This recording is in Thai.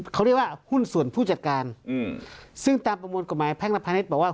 เขาเรียกว่าหุ้นส่วนผู้จัดการอืมซึ่งตามประมวลกฎหมายแพ่งและพาณิชย์บอกว่า